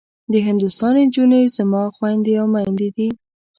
د هندوستان نجونې زما خوندي او مندي دي.